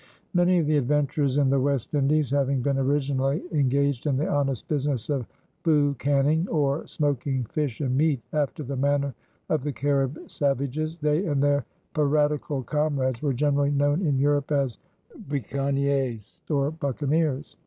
Many of the adventurers in the West Indies having been originally engaged in the honest business of boucanning, or smoking fish and meat after the manner of the Carib savages, they and their piratical comrades were generally known in Europe as "buchaniers" or "buccaneers."